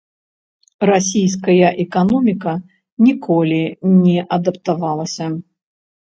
Расійская эканоміка ніколі не адаптавалася.